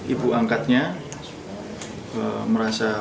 ibu angkatnya merasa muntah